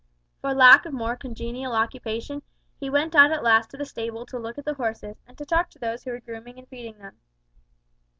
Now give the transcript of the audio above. For lack of more congenial occupation, he went out at last to the stable to look at the horses, and to talk to those who were grooming and feeding them.